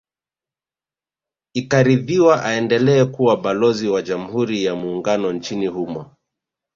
Ikaridhiwa aendelee kuwa Balozi wa Jamhuri ya Muungano nchini humo